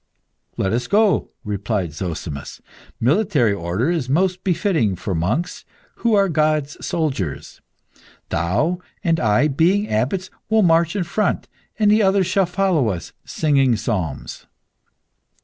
"Let us go," replied Zozimus; "military order is most befitting for monks, who are God's soldiers. Thou and I, being abbots, will march in front, and the others shall follow us, singing psalms."